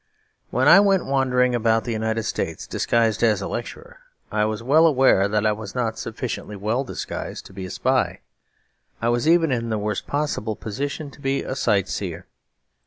When I went wandering about the States disguised as a lecturer, I was well aware that I was not sufficiently well disguised to be a spy. I was even in the worst possible position to be a sight seer.